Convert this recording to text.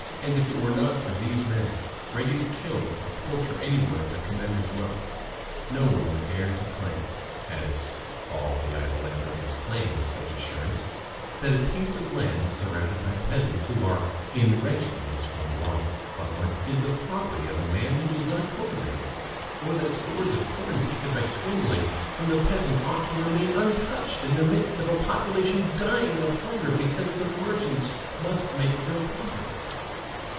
And if it were not for these men, ready to kill or torture anyone at their commander's will, no one would dare to claim, as all the idle landowners claim with such assurance, that a piece of land, surrounded by peasants, who are in wretchedness from want of land, is the property of a man who does not cultivate it, or that stores of corn taken by swindling from the peasants ought to remain untouched in the midst of a population dying of hunger because the merchants must make their profit.